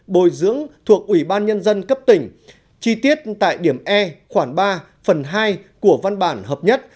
bồi dưỡng thuộc ủy ban nhân dân cấp tỉnh chi tiết tại điểm e khoảng ba phần hai của văn bản hợp nhất